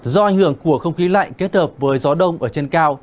do ảnh hưởng của không khí lạnh kết hợp với gió đông ở trên cao